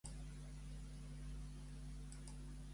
Què esdevindrà qui la tregui?